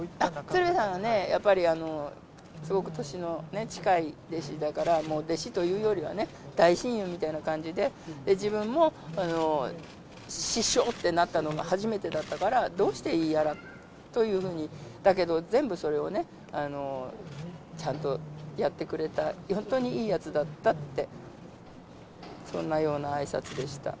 鶴瓶さんはね、やっぱりすごく年のね、近い弟子だから、もう弟子というよりは大親友みたいな感じで、自分も師匠ってなったのが初めてだったから、どうしていいやらというふうに、だけど、全部それをね、ちゃんとやってくれた、本当にいいやつだったって、そんなようなあいさつでした。